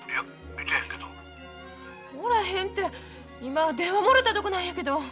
おらへんて今電話もろたとこなんやけど。